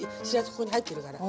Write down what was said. ここに入ってるから。